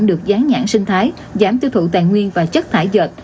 được gián nhãn sinh thái giảm tiêu thụ tàn nguyên và chất thải dệt